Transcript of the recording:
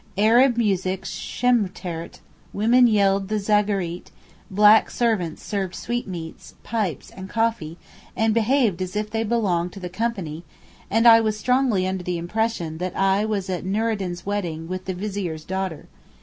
Arab music schmetterte, women yelled the zaghareet, black servants served sweetmeats, pipes, and coffee, and behaved as if they belonged to the company, and I was strongly under the impression that I was at Nurreddin's wedding with the Vizier's daughter.